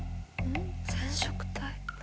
染色体？